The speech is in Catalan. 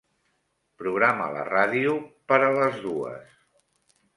Programa la ràdio per a les dues.